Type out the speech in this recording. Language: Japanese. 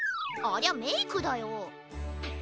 ありゃメイクだよ。